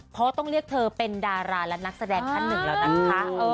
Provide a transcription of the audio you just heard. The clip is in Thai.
เพราะต้องเรียกเธอเป็นดาราและนักแสดงท่านหนึ่งแล้วนะคะ